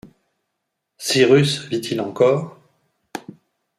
Cyrus vit-il encore ?